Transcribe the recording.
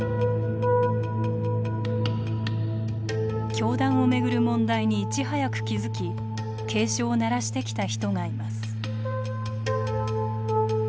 教団をめぐる問題にいち早く気付き警鐘を鳴らしてきた人がいます。